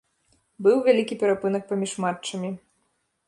Быў вялікі перапынак паміж матчамі.